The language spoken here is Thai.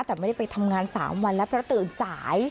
แต่ไม่ได้ไปทำงาน๓วันแล้วเพราะตื่นสาย